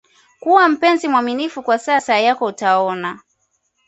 kuwa mpenzi mwaminifu kwa sasa yako utaona